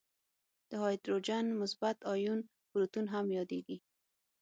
د هایدروجن مثبت آیون پروتون هم یادیږي.